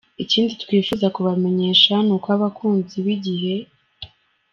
Ikindi twifuza kubamenyesha ni uko abakunzi ba igihe.